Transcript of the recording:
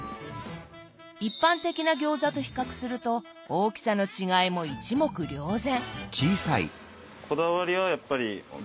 一般的な餃子と比較すると大きさの違いも一目瞭然。